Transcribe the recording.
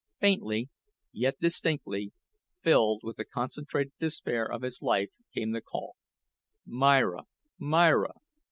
Faintly, yet distinctly, filled with the concentrated despair of his life, came the call: "Myra, Myra."